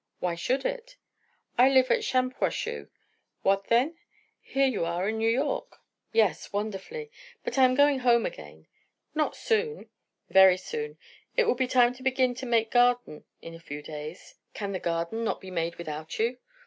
"Why should it?" "I live at Shampuashuh." "What then? Here you are in New York." "Yes, wonderfully. But I am going home again." "Not soon?" "Very soon. It will be time to begin to make garden in a few days." "Can the garden not be made without you?"